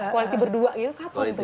quality berdua gitu kapan